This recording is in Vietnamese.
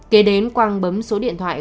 kế đến quang bấm số điện thoại